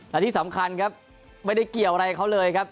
และที่สำคัญครับไม่ได้เกี่ยวอะไรกับเขาเลยครับ